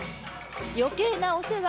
余計なお世話！